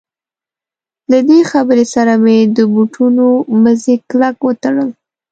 له دې خبرې سره مې د بوټونو مزي کلک وتړل.